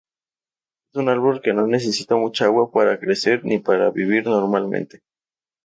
Es un árbol que no necesita mucha agua para crecer ni para vivir normalmente.